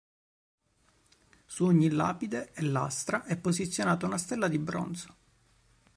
Su ogni lapide e lastra è posizionata una stella in bronzo.